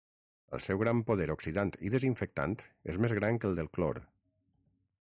El seu gran poder oxidant i desinfectant és més gran que el del clor.